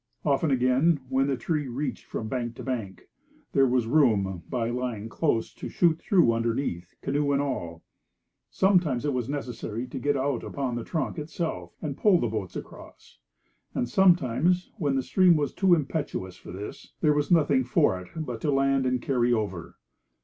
Often, again, when the tree reached from bank to bank, there was room, by lying close, to shoot through underneath, canoe and all. Sometimes it was necessary to get out upon the trunk itself and pull the boats across; and sometimes, when the stream was too impetuous for this, there was nothing for it but to land and 'carry over.